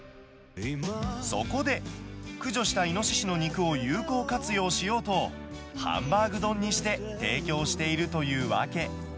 そこで、駆除したイノシシの肉を有効活用しようと、ハンバーグ丼にして提供しているというわけ。